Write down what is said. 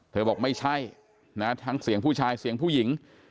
บอกไม่ใช่นะทั้งเสียงผู้ชายเสียงผู้หญิง